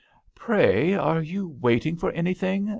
" Pray are you waiting for anything?"